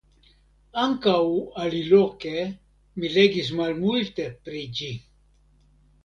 Ankaŭ aliloke mi legis malmulte pri ĝi.